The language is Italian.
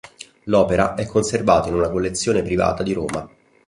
L'opera è conservata in una collezione privata di Roma.